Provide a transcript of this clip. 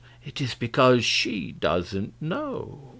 It is because she doesn't know."